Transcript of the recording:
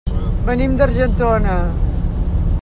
Venim d'Argentona.